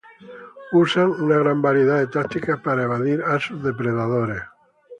Usan una gran variedad de tácticas para evadir a sus depredadores.